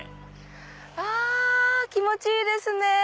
あ気持ちいいですね。